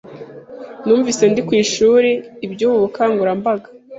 Numvise ndi ku ishuri iby’ubu bukangurambaga